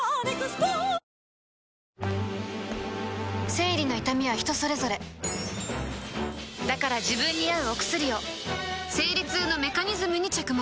生理の痛みは人それぞれだから自分に合うお薬を生理痛のメカニズムに着目